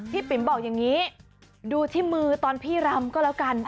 ปิ๋มบอกอย่างนี้ดูที่มือตอนพี่รำก็แล้วกัน